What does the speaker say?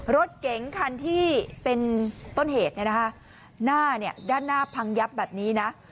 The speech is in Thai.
รถเก๋งคันที่เป็นต้นเหตุเนี่ยนะคะหน้าเนี่ยด้านหน้าพังยับแบบนี้นะ